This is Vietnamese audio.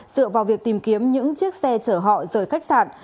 dựa vào việc tìm kiếm những chiếc xe chở họ rời khách sạn